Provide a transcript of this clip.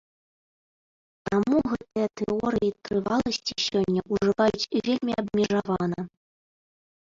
Таму гэтыя тэорыі трываласці сёння ўжываюць вельмі абмежавана.